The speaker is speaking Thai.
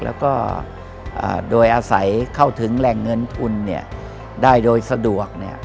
แล้วก็โดยอาศัยเข้าถึงแหล่งเงินทุนได้โดยสะดวก